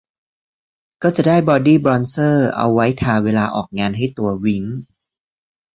ก็จะได้บอดี้บรอนเซอร์เอาไว้ทาเวลาออกงานให้ตัววิ้ง